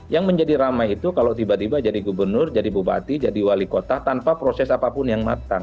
yang menjadi ramai itu kalau tiba tiba jadi gubernur jadi bupati jadi wali kota tanpa proses apapun yang matang